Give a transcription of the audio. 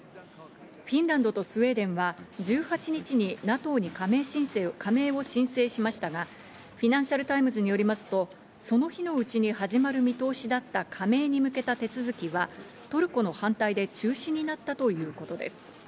フィンランドとスウェーデンは１８日にＮＡＴＯに加盟を申請しましたが、フィナンシャルタイムズによりますと、その日のうちに始まる見通しだった加盟に向けた手続きはトルコの反対で中止になったということです。